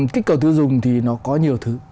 kích cầu tiêu dùng thì nó có nhiều thứ